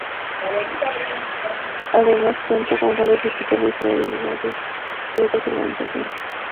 Además cuenta con fondos digitales legados por otras organizaciones.